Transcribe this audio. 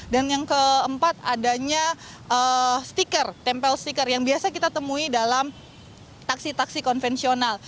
dan yang keempat adanya tempel stiker yang biasa kita temui dalam taksi taksi konvensional